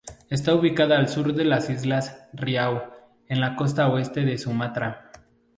Está ubicada al sur de las islas Riau en la costa este de Sumatra.